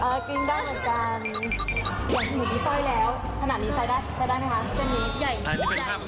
กริ้งได้เหมือนกัน